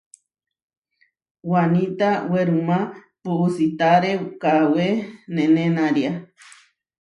Waníta werumá puusítare kawé nenenária.